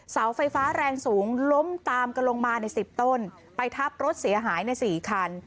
เสาไฟฟ้าแรงสูงล้มตามกันลงมาในสิบต้นไปทับรถเสียหายในสี่คัน